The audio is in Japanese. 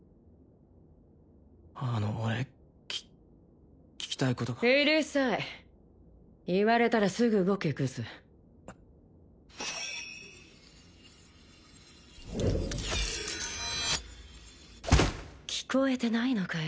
あの俺き聞きたいことがうるさい言われたらすぐ動けグズ聞こえてないのかよ